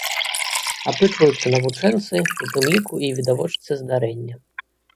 Апытваюцца навучэнцы, у тым ліку і відавочцы здарэння.